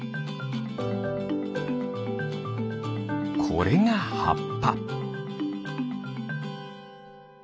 これがはっぱ。